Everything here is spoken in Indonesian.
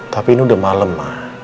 tapi ini udah malem ma